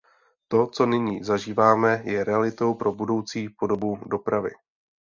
To, co nyní zažíváme, je realitou pro budoucí podobu dopravy.